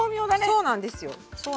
そうなんですよ。